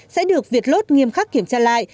sẽ được việt lốt nghiêm khắc kiểm tra lại